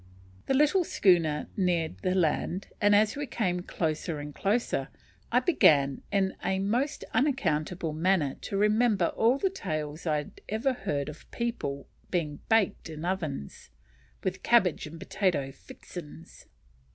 The little schooner neared the land, and as we came closer and closer, I began in a most unaccountable manner to remember all the tales I had ever heard of people being baked in ovens, with cabbage and potato "fixins."